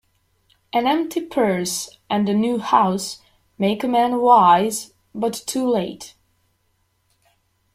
An empty purse, and a new house, make a man wise, but too late.